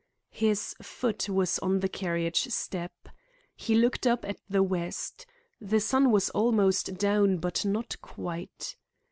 His foot was on the carriage step. He looked up at the west. The sun was almost down but not quite.